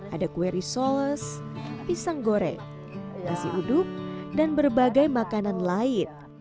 ada kue risoles pisang goreng nasi uduk dan berbagai makanan lain